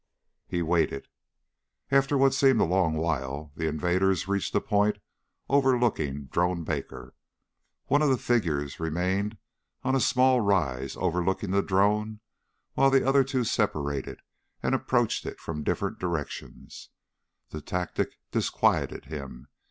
He waited. After what seemed a long while, the invaders reached a point overlooking Drone Baker. One of the figures remained on a small rise overlooking the drone while the other two separated and approached it from different directions. The tactic disquieted him.